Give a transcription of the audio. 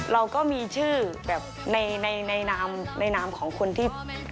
เราก็มีชื่อแบบในนามของคุณที่เขียนเพลงอยู่แหละ